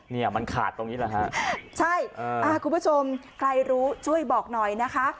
เนี่ยมันขาดตรงนี้แหละฮะใช่อ่าคุณผู้ชมใครรู้ช่วยบอกหน่อยนะคะ